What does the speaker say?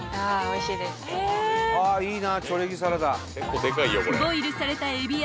いいな。